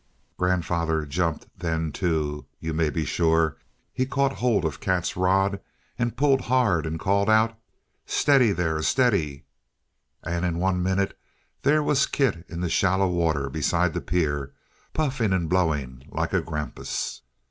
Grandfather jumped then, too, you may be sure. He caught hold of Kat's rod and pulled hard and called out, "Steady, there, steady!" And in one minute there was Kit in the shallow water beside the pier, puffing and blowing like a grampus!